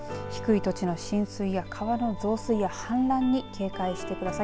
低い土地の浸水や川の増水や氾濫に警戒してください。